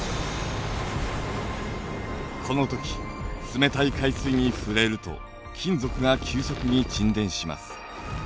この時冷たい海水に触れると金属が急速に沈殿します。